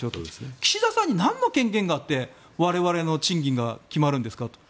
岸田さんになんの権限があって我々の賃金が決まるんですかと。